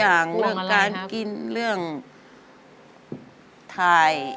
อย่างเรื่องการกินเรื่องถ่าย